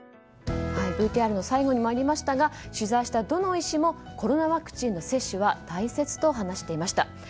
ＶＴＲの最後にもありましたが取材したどの医師もコロナワクチンの接種は大切と話していました。